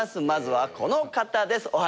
まずはこの方です。